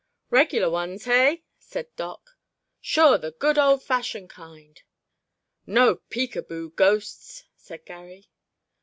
"Regular ones, hey?" said Doc. "Sure, the good old fashioned kind." "No peek a boo ghosts," said Garry.